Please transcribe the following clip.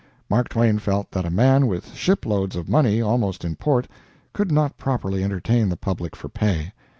Mark Twain felt that a man with ship loads of money almost in port could not properly entertain the public for pay.